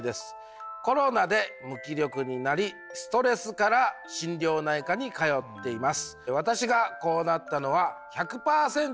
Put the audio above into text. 「コロナで無気力になりストレスから心療内科に通っています」。